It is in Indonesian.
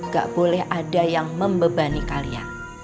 gak boleh ada yang membebani kalian